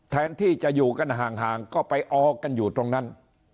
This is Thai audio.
แทนที่จะอยู่กันห่างก็ไปออกันอยู่ตรงนั้น